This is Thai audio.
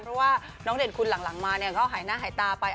เพราะว่าน้องเด่นคุณหลังมาเนี่ย